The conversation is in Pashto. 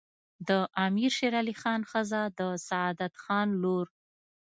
د امیر شیرعلي خان ښځه د سعادت خان لور